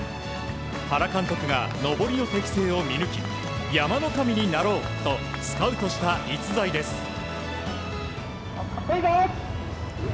原監督が山上りの適性を見抜き山の神になろうとスカウトした逸材です。